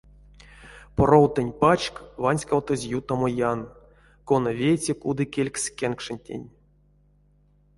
Поровтонть пачк ванськавтозь ютамо ян, кона вети кудыкелькс кенкшентень.